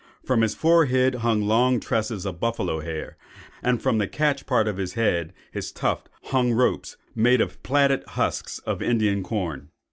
From his forehead hung long tresses of buffalo's hair; and from the catch part of his head (his tuft) hung ropes, made of the plaited husks of Indian corn.